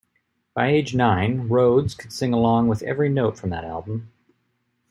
By age nine, Rhodes could sing along with every note from that album.